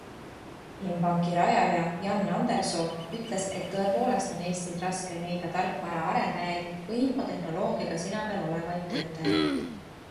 Inbanki rajaja Jan Andresoo ütles, et tõepoolest on Eestis raske leida tarkvaraarendajaid või infotehnoloogiaga sina peal olevaid töötajaid.